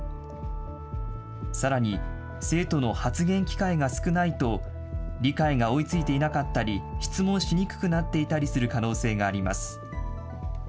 さらに生徒の発言機会が少ないと、理解が追いついていなかったり、質問しにくくなっていたりする可能性があります。